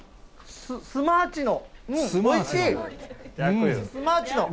スマーチノ。